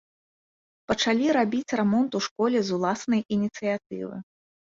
Пачалі рабіць рамонт у школе з уласнай ініцыятывы.